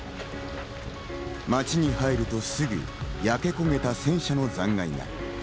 街に入るとすぐに焼け焦げた戦車の残骸が。